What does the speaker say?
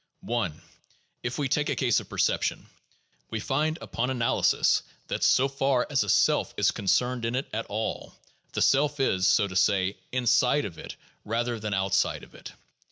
1. If we take a case of perception, we find upon analysis that, so far as a self is concerned in it at all, the self is, so to say, inside of it rather than outside of it.